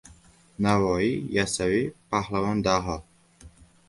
Navoiy — Yassaviy — Pahlavon Daho!"